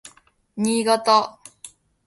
新潟